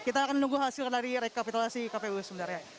kita akan nunggu hasil dari rekapitulasi kpu sebentar ya